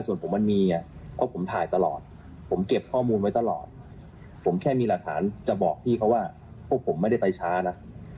ส่วนผมมันมีเพราะผมถ่ายตลอดผมเก็บข้อมูลไว้ตลอดผมแค่มีหลักฐานจะบอกพี่เขาว่าพวกผมไม่ได้ไปช้านะ